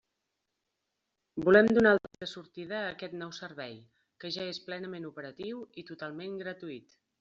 Volem donar el tret de sortida a aquest nou servei, que ja és plenament operatiu i totalment gratuït.